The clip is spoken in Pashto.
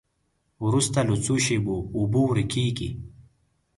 وروسته له څو شېبو اوبه ورکیږي.